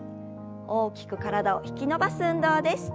大きく体を引き伸ばす運動です。